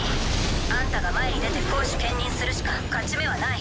あんたが前に出て攻守兼任するしか勝ち目はない。